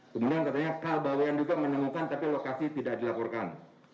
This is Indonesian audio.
kemudian katanya kalbawn juga menemukan tapi lokasi tidak dilaporkan